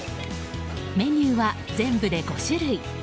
メニューは全部で５種類。